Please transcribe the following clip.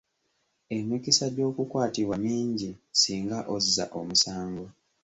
Emikisa gy'okukwatibwa mingi singa ozza omusango.